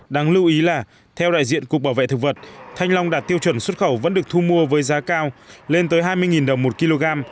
đáng lưu ý là theo đại diện cục bảo vệ thực vật thanh long đạt tiêu chuẩn xuất khẩu vẫn được thu mua với giá cao lên tới hai mươi đồng một kg